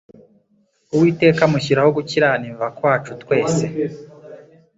Uwiteka amushyiraho gukiranimva kwacu twese."